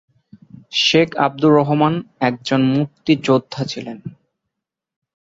শেখ আব্দুর রহমান একজন মুক্তিযোদ্ধা ছিলেন।